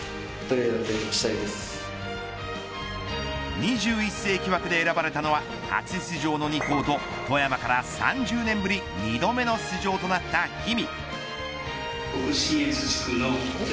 ２１世紀枠で選ばれたのは初出場の２校と富山から３０年ぶり２度目の出場となった氷見。